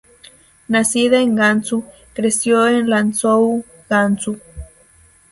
Nacida en Gansu, creció en Lanzhou, Gansu.